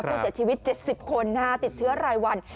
ผู้เสียชีวิต๗๐คนติดเชื้อรายวัน